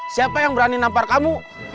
siapa yang berani nampar kamu